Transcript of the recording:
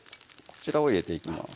こちらを入れていきます